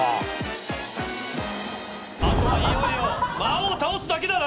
あとはいよいよ魔王を倒すだけだな。